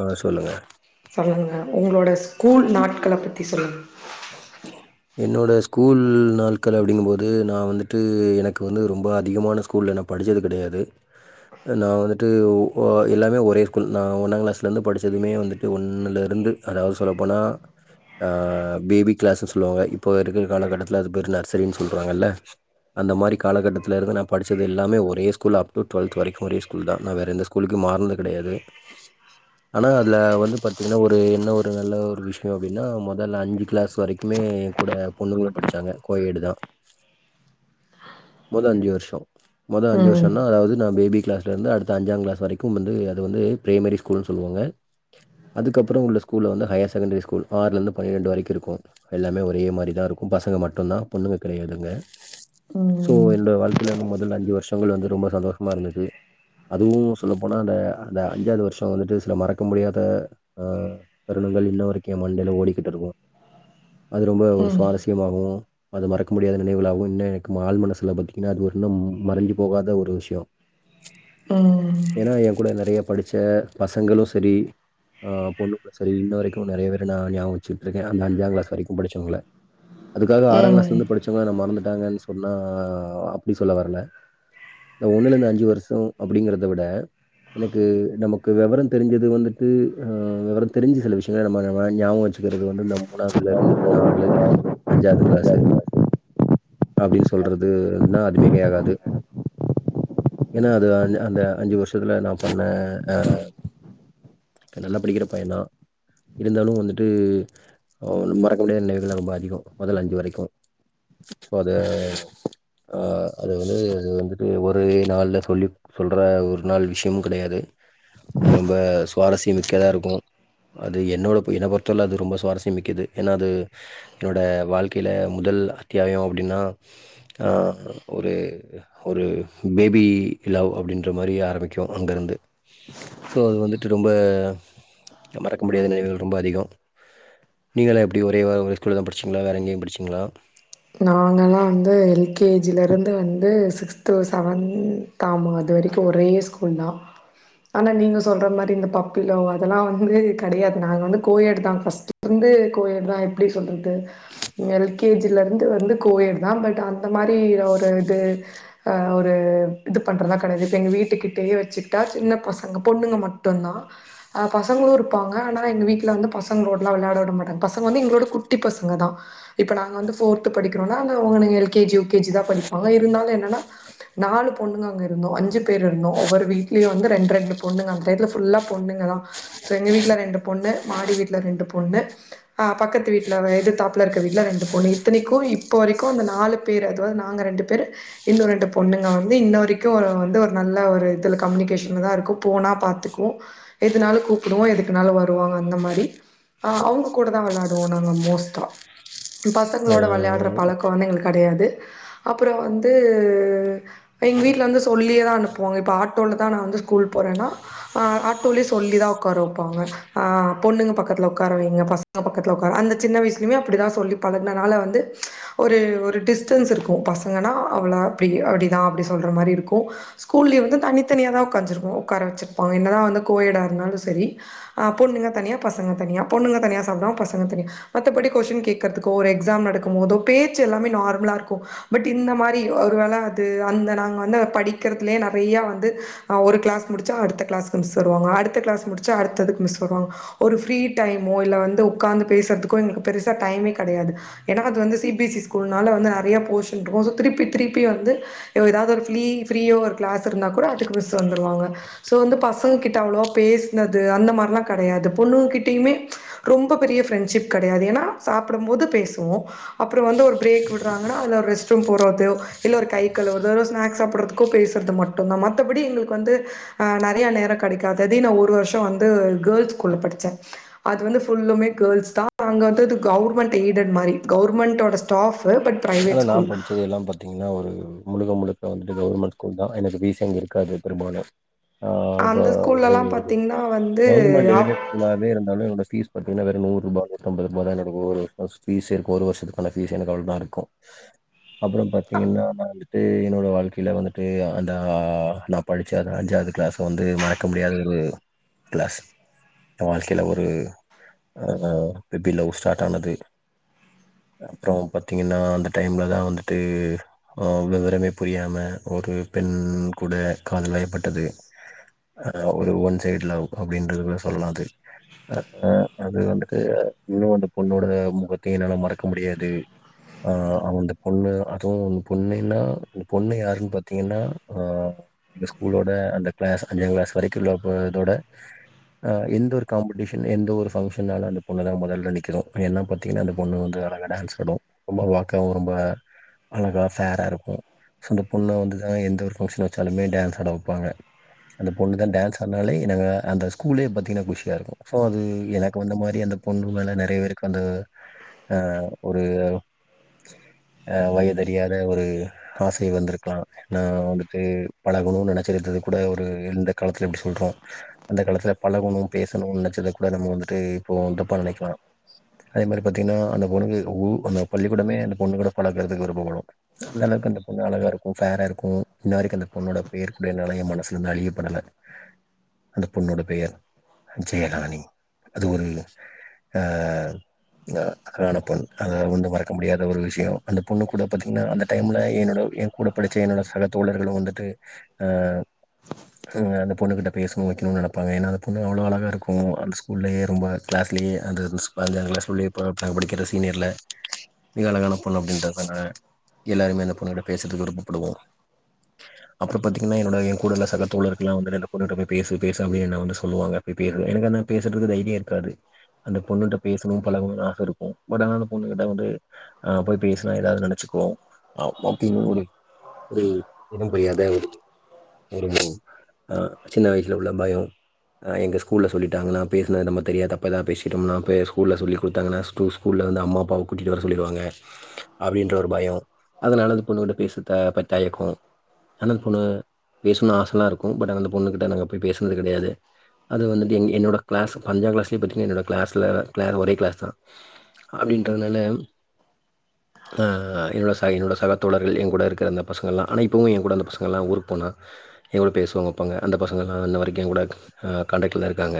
ஆ சொல்லுங்க சொல்லுங்க உங்களோட ஸ்கூல் நாட்களப் பத் சொல்லுங்க என்னோட ஸ்கூல் நாள்கள அப்டிங்கும்போது நா வந்துட்டு எனக்கு வந்து ரொம்ப அதிகமான ஸ்கூல்ல நா படிச்சது கெடையாது நா வந்துட்டு எல்லாமே ஒரே ஸ்கூல் நா ஒன்னாங் கிளாஸ்லேருந்து படிச்சதுமே வந்துட்டு ஒன்னுலேருந்து அதாது சொல்ல போனா பேபி கிளாஸஸ் சொலுவாங்க இப்போ இருக்குற கால கட்டத்துல அது பேரு நர்சரின்னு சொல்ல்றாங்கள்ள அந்த மாரி காலகட்டத்துலேருந்து நான் படிச்சது எல்லாமே ஒரே ஸ்கூல் அப் டூ டுவெ்த் வரைக்கும் ஒரே ஸ்கூல் தான் நா வேற எந்த ஸ்கூலுக்கும் மார்ணது கெடையாது ஆனா அதுல வந்து பாத்தீங்கன்னா ஒரு என்ன ஒரு நல்ல ஒரு விஷயோ அப்டின்னா மொதல் அஞ்சு கிளாஸ் வரைக்குமே கூட பொண்ணுங்க படிச்சாங்க கோயேடு தான் மொத அஞ்சு வருஷம் மொத அஞ்சு ம் வருஷன்னா அதாது நா பேபி கிளாஸ்லேருந்து அடுத்த அஞ்சாங் கிளாஸ் வரைக்கும் வந்து அது வந்து ப்ரைமரி ஸ்கூல்ன் சொல்லுவாங்க அதுக்கப்பறம் உள்ள ஸ்கூல்ல வந்து ஹையர் செகண்டரி ஸ்கூல் ஆறுலேருந்து பன்னிரெண்டு வரைக்கும் இருக்கும் எல்லாமே ஒரே மாரிதான் இருக்கும் பசங்க மட்டு தான் பொண்ணுங்க கெடையாதுங்க சோ ம் என்னோட வாழ்க்கைல வந்து மொதல்ல அஞ்சு வருஷங்கள் வந்து ரொம்ப சந்தோஷமா இருந்துச்சு அதுவும் சொல்லப்போனா அந்த அந்த அஞ்சாது வருஷம் வந்துட்டு சில மறக்க முடியாத அஹ் தருணங்கள் இன்ன வரைக்கும் என் மண்டைல ஓடிக்கிட்டு இருக்கும் அது ரொம்ப ஒரு ம் சுவாரஸ்யமாவு அது மறக்க முடியாத நெனைவுகலாகவு இன்ன எனக்கு ஆள் மனசு [unintelligible] அது இன்னம் மறஞ்சி போகாத ஒரு விஷ்யோ. ம் ஏனா எ கூட நெறய படிச்ச பசங்களு செரி பொண்ணு ளு செரி, இன்ன வரக்கு நெறயா பேர் என்ன ஞாபகோ வெச்சுட்டு இருக்கே. ஏன்னா அந்த அஞ்சாங் கிளாஸ் வரக்குயு படிச்சவங்கள அதுக்காக ஆறாங்கிளாஸ்ல ம் இருந்து படிச்சவங்கள நா மறந்து டாங்கன்னு சொன்னா அப்டி சொல்ல வரல. இந்த ஒன்னுல இருந்து அஞ்சு வருஷோ அப்டிங்கறத விட எனக்கு நமக்கு வெவரோ தெரிஞ்சது வந்துட்டு வெவரொம் தெரிஞ்சு சில விஷயோ நம்ம வாங்கி ஞாபகொ வெச்சுக்குறது வந்து நம்மோ மூணாவதுல இருந்து நாலு அஞ்சாவுது கிளாஸ்சு அப்பிடின்னு சொல்றதுன்னா அது மிகையகாது. ஏனா அது அ அந்த அஞ்சு வருஷத்துல நான் பண்ண அஹ் நல்லா படிக்கிற பையன் தா. இருந்தாலு வந்துட்டு மறக்க முடியாத நெனைவுகள் லா ரொம்ப அதிகோ மொதல் அஞ்சு வரைக்யு. சோ அத ஹ் ஆஹ் அது வந்து அது வந்துட்டு ஒரு நாள்ல சொல்லி சொல்றத ஒரு நாள் விஷயமு கிடையாது, அது ரொம்ப சுவாரஸ்யம் மிக்கதா இருக்கு. அது என்னோட ஒப்பு என்ன பொறுத்தல்ல அது ரொம்ப சுவாரஸ் ய மிக்கது. ஏன்னா அது என்னோட வாழ்க்கைல முதல் அத்தியாயோ அப்டின்னா, ஆ ஒரு ஒரு பேபீ லவ் அப்டின்ற மாரி ஆரம்பிக்யு அங்கருந்து. சோ அது வந்துட்டு ரொம்ப மறக்க முடியாத நெனைவுகள் ரொம்ப அதிகோ. நீங்கல்லா எப்டி ஒரே ஒரு ஸ்கூல்ல தா படிச்சிங்களா வேற எங்கயு படுச்சிங்களா? நாங்கல்லா வந்து எல் கே ஜி ல இருந்து வந்து சிக்ஸ்து சவன்த் ஆமா அது வரைக்குயு ஒரே ஸ்கூல் தா. ஆனா நீங்க சொல்ற மாரி இந்த பப்பிலவ் அதெல்லா வந்து கெடையாது. நாங்க வந்து கோயட் தான் ஃபஸ்ட்ல இருந்து கோயட் தா. எப்டி சொல்றது எல் கே ஜி ல இருந் இருந்து து வந்து கோயட் தா. பட் அந்த மாரி ஒரு இது ஒரு இது பண்றதுதா கெடையாது. இப்ப எங்க வீட்டுக்கிட்டயே வெச்சுட்டா சின்ன பசங்க பொண்ணுங்க மட்டுதா. ஆ பசங்களு இருப்பாங்க, ஆனா எங்க வீட்ல வந்து பசங்களோடல்லா வெளயாட விட மாட்டாங்க. பசங்க வந்து எங்களவுட குட்டி பசங்க தா இப்ப நாங்க வந்து ஃபோர்த்து படிக்கிறோனா அது அவனுங்க L K G, U K G தா படிப்பாங்க. இருந்தாலு என்னன்னா நாலு பொண்ணுங்க அங்க இருந்தூ அஞ்சு பேர் இருந்தோ ஒவ்வொரு வீட்லயு வந்து ரெண்டு ரெண்டு பொண்ணுங்க அந்த டைத்துல ஃபுல்லா பொண்ணுங்க தா. சோ எங்க வீட்ல ரெண்டு பொண்ணு, மாடி வீட்ல ரெண்டு பொண்ணு, பக்கத்து வீட்ல எதுதாப்புல இருக்க வீட்ல ரெண்டு பொண்ணு இ இத்தனக்கு இப்பொ வரக்யு இந்த நாலு பேரு, அதுவா நாங்க ரெண்டு பேரு இந்த ஒரு ரெண்டு பொண்ணுங்க வந்து இன்ன வரக்யு வந்து ஒரு நல்ல ஒரு இதுல கம்யூனிகேஷன்ல தா இருக்கு, போனா பாத்தக்குவோ, எதுனாலு கூப்புடுவோ எதுக்குன்னாலு வருவாங்க, அந்த மாரி். ஆ அவுங்க கூட தா வெளயாடுவோ நாங்க கோஸ்ட்டா. பா ஆ சங்களோட வெளயாடறப் பழக்கோ வந்து எங்ளுக்கு கடையாது அப்றோ வந்து எங்க வீட்ல சொல்லியேதா அனுப்புவங்க இப்போ ஆட்டோல தா வந்து ஸ்கூல் போறன்னா அ ஆட்டோலயே சொல்லிதா ஒக்கார வெச்சாங்க அ பொண்ணுங்க பக்கத்துல ஒக்கார வைங்க. பசங்க பக்கத்துல ஒக்கார அந்த சின்ன வய்சுலயுமே அப்பிடிதா சொல்லி பழக் ன்னால வந்து ஒரு ஒரு டிஸ்டன்ஸ் இருக்கு பசங்கனா அவள அப்டிதா அப்டி சொல்ற மாரி இருக்கு ஸ்கூல்லியு வந்து தனி தனியா தா உக்காஜிருக்கு உக்கார வச்சிருப்போ என்னதா வந்து கோ எட் ஆ இருந்தாலு செரி அ பொண்ணுங்க தனியா பசங்க தனியா பொண்ணுங்க தனியா சாப்டுவாங்க பசங்க தனியா மத்த படி கொஷின் கேக்கற்து கோ ஒரு எக்ஃசேம் நடக்கும்போதோ பேச்சு எல்லாமே நார்மலா இருக்கு பட் இந்த மாரி ஒரு வேல அது அந்த நாங்க வந்து படிக்கறதுலயே நெறயா வந்து ஒரு க்ளாஸ் முடிச்சா அடுத்த க்ளாஸ் மிஸ் வருவாங்க அடுத்த க்ளாஸ் முடிச்சா அடுத்தது மிஸ் வருவாங்க ஒரு ஃப்ரீ டைமோ இல்ல வந்து உக்காந்து பேசரதுக்கோ எங்ளுக்கு பெருசா டைமே இருக் கடையாது ஏனா அது வந்து சீ பீ எஸ் சி ஸ்கூல்னால வந்து நெறையா போஷன்ருக்கு சோ திருப்பி திருப்பி வந்து யோ எதாவ்து ஒரு ஃப்லீ ஃப்ரீயோ ஒரு க்ளேஸோ இருந்தா கூட அதுக்கு மிஸ் வந்துருவாங்க சோ வந்து பசங்க கிட்ட அவ்ளவா பேஸ்னது அந்த மார்லா கடையாது பொண்ணுங்க கிட்டயுமே ரொம்ப பெரிய ஃப்ரெண்ட்ஸிப் கடயாது ஏன்னா சாப் ப்புடும் போது பேஸ்வோ அப்றோ வந்து ஒரு ப்ரேக் விடுறாங்கன்னா அதுல ரெஸ்ட் ரூம் போறோதே இல்ல ஒரு கை கழுவுறதோ இல்ல ஒரு ஸ்நேக்ஸ் சாப்பறதுக்கோ பேசற்து மட்டுதா மத்தபடி எங்ளுக்கு வந்து நெறயா நேரோ கெடைக்காது அதே ஒரு ர்ஷோ வந்து கேல்ஸ் ஸ்கூல்ல படுச்ச அது வந்து ஃபுல்லுமே கேல்ஸ் தா அங்க வந்து அதுக் கவுர் எய்டட் மாரி கவுர்மண்ட்டோட ஸ்டாஃப்பு பட் அதே பிரைவேட் நா ஸ்கூல் படுச்சது எல்லா பாத்தீங்க னா ஒரு முழுக்க முழுக்க வந்துட்டு கவுர்மெண்ட் ஸ்கூல் தா எனக்கு பீஸ் அங்க இருக்காது பெரும்பாலு அ அந்த [unintelligible] ஒரு ஸ்கூல்லலா பாத்தீங்கன்னா வந்து கவுர்மெண்ட் எய்டட் ஸ்கூலாவே இருந்தாலு என்னோட பீஸ் பத்தீங்கன்னா வெறு நூற்ருபா நூத்தம்பதுருபா தா எனக்கு ஒரு வர்ஷ ஃபீஸ்ஸே ஒரு வர்ஷத்துக்கு அவ்ளோதா இருக்கு அப்றோ பத்தீங்கனா நா வந்துட்டு என்னோட வாழ்க்கைல வந்துட்டு அந்த நா படிச்ச அந்த அஞ்சாவுது கிளாஸ வந்து மறக்க முடியாத ஒரு கிளாஸ் ஏ வாழ்க்கையில அ ஒரு குட்டி லவ் ஸ்டாட் ஆனது அப்றோ பாத்தீங்கன்னா அந்த டைம்ல தா வந்துட்டு அ வெவரமே புரியாம ஒரு பெண் கூட காதல் வயப்பட்டது அ அ ஒரு ஒன் சைட் லவ் அப்டின்றது சொல்லலா அது இன்னு அந்த பொண்ணோட மொகத்தையு என்னால மறக்க முடியாது அ அந்த பொண்ணு அதுவு பொண்ணுன்னா அ பொண்ணு யாருன்னு பாத்தீங்கன்னா எ ஸ்கூலோட அந்த கிளாஸ் அஞ்சா கிளாஸ் வரைக்கு உள்ளதோட எந்த ஒரு காம்படீஷன், எந்த ஒரு ஃபங்க்ஷனாலு அந்த பொண்ணு தா மொதல்ல நிக்கு ஏன்னா பாத்தீங்கன்னா அந்த பொண்ணு வந்து அழகா டான்ஸ் ஆடு ரொம்ப நல்லா ரொம்ப அழகா ஃபேரா இருக்கு சோ அந்த பொண்ணா வந்துதா எந்த ஒரு ஃபங்க்ஷன் வெச்சாலுமே டான்ஸ் ஆட வப்பாங்க அந்த பொண்ணு தா டான்ஸ் ஆட்னாலே எனங்க அந்த ஸ்கூல்லயே பாத்தீங்கனா குஷியா இருக்கு சோ அது எனக்கு வந்த மாரி அந்த பொண்ணு மேல நெறய பேருக்கு அந்த அ ஒரு அ வயதரியாத ஒரு ஆசை வந்துருக்கலா‌ நா வந்துட்டு பழகணுன்னு நெனச்சிருந்தது கூட ஒரு இந்த காலத்துல எப்டி சொல்றோ அந்த காலத்துல பழகணு பேசணுன்னு நெனச்சத கூட நம்ம வந்துட்டு இப்போ தப்பா நெனக்கலா அதே மாரி பாத்தீங்கன்னா அந்த பொண்ணுக்கு ஊ அந்த பள்ளிக்கூடமே அந்த பொண்ணு கூட பழகறதுக்கு விருப்ப படு அந்த அளவுக்கு அந்த பொண்ணு அழகா இருக்கு ஃபேர இருக்கு இந்த மாரிக்கு அந்த பொண்ணோட பேர் கூட என்னால ஏ மனசுலேந்து அழியப்படல அந்த பொண்ணோட பெயர் அஞ்சயலாணி அது ஒரு அ அழகான பொண் அதனால ஒன்னு மறக் மறக்க முடியாத ஒரு விஷியோ அந்த பொண்ணு கூட பாத்தீங்கன்னா அந்த டைம்ல என்னோட ஏ கூட படிச்ச என்னோட சக தோழர்களு வந்துட்டு அ அது பொண்ணு கிட்ட பேஸ்ணு வக்கிணு நெனப்பாங்க ஏன்னா அந்த பொண்ணு அவ்ளோ அழகா இருக்கு அந்த ஸ்கூல்லயே ரொம்ப கிளாஸ்லியே அந்த அஞ்சாங் கிளாஸ்லயே நாங்க படிக்கிற சீனியர்ல மிக அழகான பொண்ணு அப்டின்றது எல்லாருமே அந்த பொண்ணு கிட்ட பேசதுக்கு விருப்ப படுவோ அப்றோ பாத்தீங்கன்னா என்னோட என் கூடல சகத்தோழர்கள் எல்லா வந்து அந்த பொண்ணு கிட்ட போய் பேசு பேசு அப்படின்னு என்ன வந்து சொல்லுவாங்க போய் பேசு எனக்கென்ன பேசறதுக்கு தைரியோ இருக்காது அந்த பொண்ணுட்ட பேசணு பழகணுன்னு ஆச இருக்கு பட் ஆனா அந்த பொண்ணு கிட்ட வந்து அ போய் பேசுனா ஏதாவ்து நெனச்சுக்கோஅ எது புரியாத ஒரு ஒரு அ சின்ன வயசுல உள்ள பயம் எங்க ஸ்கூல்ல சொல்லிட்டாங்கன்னா பேசுனது நம்ம தெரியா தப்பா எதா பேசிட்டோம்னா ஸ்கூல்ல சொல்லி குடுத்தாங்கன்னா ஸ் ஸ்கூல்ல வந்து அம்மா அப்பாவ கூட்டிட் டு வர சொல்லிருவாங்க அப்டின்ற ஒரு பயோ அதனால அந்த பொண்ணு கிட்ட பேச தயக் தயக்கோ ஆனா அந்த பொண்ணு பேஸ்னு ஆசலா இருக்கு பட் அந்த அந்த பொண்ணு கிட்ட நாங்க போய் பேசுனது கடையாது அது வந்துட்டு எங் என்னோட க்ளாஸ் அஞ்சாங் கிளாஸ்ல பாத்தீங்கன்னா என்னோட க்ளாஸ் ல ஒரே கிளாஸ் தா அப்டின்றனால அ என்னோட சகி என்னோட சகதல தோழர்கள் ஏ கூட இருக்குற அந்த பசங்க எல்லா அனைப்பு ஏ கூட அந்த பசங்க எல்லா ஊருக்கு போனா ஏ கூட பேசுவாங் வெப்பாங்க அந்த பசங்க எல்லா இன்ன வரைக்கு ஏ கூட காண்டக்ட் ல தா இருக்காங்க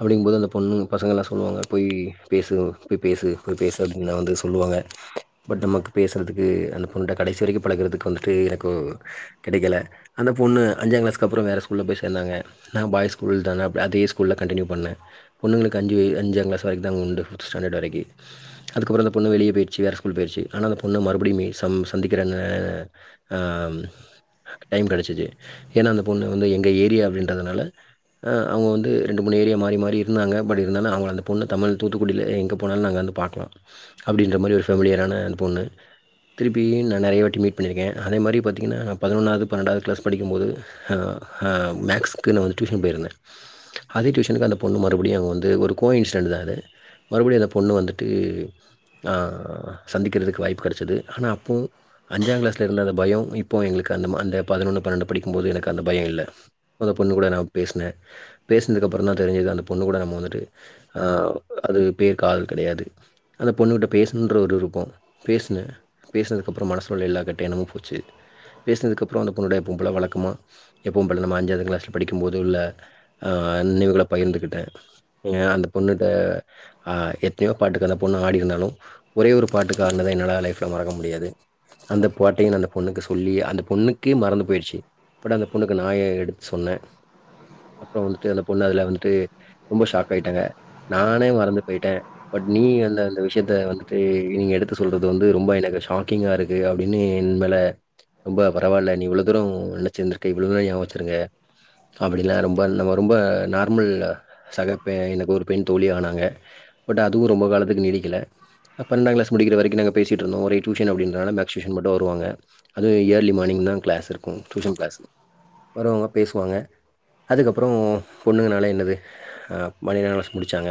அப்டிங்கும்போது அந்த பொண்ணு பசங்க எல்லா சொல்லுவாங்க போய் பேசு போய் பேசு போய் பேசு பசங்களாம் வந்து சொல்லுவாங்க பட் நமக்கு பேசுறதுக்கு அந்த பொண்ணு கிட்ட கடைசி வரக்கும் பழகுறதுக்கு வந்துட்டு எனக்கு கிடைக்கல அந்த பொண்ணு அஞ்சாங்கிளாஸ்கு அப்றோ வேற ஸ்கூல்ல போய் சேர்ந்தாங்க நா பாய்ஸ் ஸ்கூல் தானே அப்ப அதே ஸ்கூலில் கண்டினியூ பண்ணேன் பொண்ணுங்களுக்கு அஞ்சு அஞ்சாம் கிளாஸ் வரக்கு தாங்க உண்டு ஃபிப்த் ஸ்டாண்டர்ட் வரக்கு அதுக்கப்றோ அந்த பொண்ணு வெளியே போயிடுச்சு வேற ஸ்கூல் போயிடுச்சு ஆனால் அந்த பொண்ணு மறுபடியுமே சந் சந்திக்கிற அ டைம் கெடச்சிச்சு ஏன்னா அந்த பொண்ணு வந்து எங்க ஏரியா அப்படின்றதுனால அவங்க வந்து ரெண்டு மூணு ஏரியா மாறி மாறி இருந்தாங்க பட் இருந்தாலும் அவங்க அந்த பொண்ணு தமிழ் தூத்துக்குடியில எங்கே போனாலு நாங்க வந்து பாக்லா அப்டின்ற மாரி ஒரு ஃபேமிலியரான அந்த பொண்ணு திருப்பி நான் நிறைய வாட்டி மீட் பண்ணியிருக்கே அதே மாதுரி பார்த்தீங்கன்னா நா பதினொன்னாவது பன்னென்டாவது கிளாஸ் படிக்கும்போது மேக்ஸுக்கு நா வந்து டியூஷன் போயிருந்தேன் அதே டியூஷனுக்கு அந்த பொண்ணு மறுபடியும் அங்கே வந்து ஒரு கோ இன்சிடென்ட்தா அது மறுபடியு அந்த பொண்ணு வந்துட்டு அ சந்திக்கிறதுக்கு வாய்ப்பு கடச்சிது ஆனா அப்போ அஞ்சாங் க்ளாஸ்ல இருந்த அந்த பயம் இப்போ எங்களுக்கு அந்த அந்த பதினொன்னு பன்னெண்டு படிக்கும்போது எனக்கு அந்த பயம் இல்லை அந்த பொண்ணு கூட நா பேசின பேசினதுக்கு அப்புறந்தா தெரிஞ்சது அந்த பொண்ணு கூட நம்ம வந்துட்டு அ அது பேர் காதல் கடையாது அந்த பொண்ணுகிட்ட பேஸ்னுன்ற ஒரு விருப்பம் பேசுனே பேசுனதுக்கப்பறோ மனசுல உள்ள எல்லா கெட்ட என்னமு போச்சு பேஸ்னதுக்க அப்றோ அந்த பொண்ணுகூட எப்போவு போல வழக்கமாக எப்பவு போல நம்ம அஞ்சாவ்து க்ளாள்ல படிக்கும்போது உள்ள நினைவுகள பகிர்ந்துக்கிட்ட அந்த பொண்ணுகிட்ட எத்தனயோ பாட்டுக்கு அந்த பொண்ணு ஆடி இருந்தாலு ஒரே ஒரு பாட்டுக்கு ஆட்னத என்னால லைஃப்ல மறக்க முடியாது அந்த பாட்டையு அந்த பொண்ணுக்கு சொல்லி அந்த பொண்ணுக்கு மறந்து போயடுச்சு பட் அந்த பொண்ணுக்கு நா எடுத்து சொன்ன அப்பறோ வந்துட்டு அந்த பொண்ணு அதுல வந்துட்டு ரொம்ப ஷாக் ஆயிட்டாங்க நானே மறந்து போயிட்ட பட் நீ விஷ்யத்த வந்துட்டு நீங்க எடுத்து சொல்றது வந்து ரொம்ப எனக்கு ஷாக்கிங்கா இருக்கு அப்டின்னு என்மேல ரொம்ப பரவாயில்ல நீ இவ்ளோ தூர உழைச்சி இருந்திருக்க இவ்ளவு தூர ஞாபகம்வச்சிருக்க அப்டில ரொம்ப நா ரொம்ப நார்மல் சக எனக்கு ஒரு பெண் தோழி ஆனாங்க பட் அதுவு ரொம்ப கால கு நீடிக்கல பன்னண்டாங்க்ளாஸ் முடிக்கிற வரைக்கு நாங்க பேசிட்டுருந்தோ ஒரே டியூஷன்றதனால மேக்ஸ் டியூஷன் மட்டு வருவாங்க அதுவு இயர்லி மார்னிங் தா க்ளாஸ் இருக்கு டியூஷன் க்ளாஸ் வருவாங்க பேசுவாங்க அதுக்கப்புறோ பொண்ணுங்கனாலே என்னது மேரேஜ் முடிச்சாங்க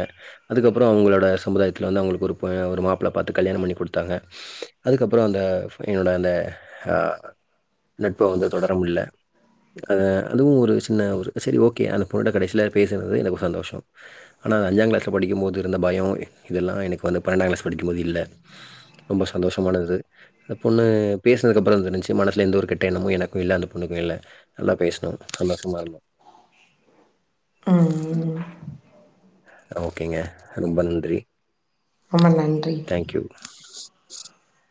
அதுக்கப்புறோ அவங்களோட சமுதாய வந்து அவ்ங்ளுக்கு ஒரு ஒரு மாப்ள பாத்து கல்யாண பண்ணி குடுத்தாங்க அதுக்கப்றோ அந்த என்னோட அந்த அ நட்ப வந்து தொடர முல்ல அத அதுவு ஒரு சின்ன ஒரு செரி ஓகே அந்த பொண்ணோட கடசில பேசுனது எனக்கு சந்தோஷோ ஆனா அந்த அஞ்சாங் க்ளாஸ்ல படிக்கும்போது இருந்த பயோ இதல்லா எனக்கு வந்து பன்னண்டா லக்ளாஸ் படிக்கும்போது இல்ல ரொம்ப சந்தோஷமா இருந்துது அந்த பொண்ணு பேஸ்னதுக்கு அப்றோ நல்ல இருந்துச்சு மனசுல எந்த ஒரு கெட்ட என்னமு எனக்கு இல்ல அந்த பொண்ணுக்கும் இல்ல நல்லா பேசணோ சந்தோஷமா இருந்தோ ம் ஓகேங்க ரொம்ப நன்றி ரொம்ப நன்றி தேங்க் யூ. [inaudible]